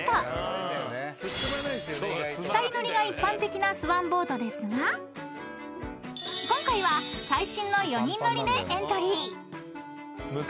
［２人乗りが一般的なスワンボートですが今回は最新の４人乗りでエントリー］